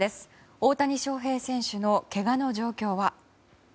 大谷翔平選手のけがの状況は。